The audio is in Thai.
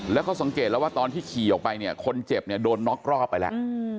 แล้วเขาสังเกตแล้วว่าตอนที่ขี่ออกไปเนี่ยคนเจ็บเนี่ยโดนน็อกรอบไปแล้ว